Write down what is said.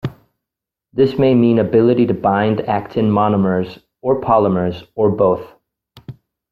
This may mean ability to bind actin monomers, or polymers, or both.